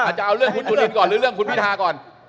จะเอาเรื่องคุณจุลินก่อนหรือเรื่องคุณพิทาก่อน